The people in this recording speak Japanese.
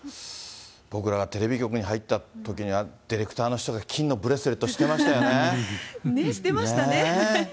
僕らがテレビ局に入ったときには、ディレクターの人が金のブレスレットしてましたよね。ね、してましたね。